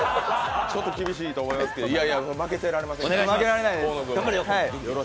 ちょっと厳しいと思いますが負けてられませんから。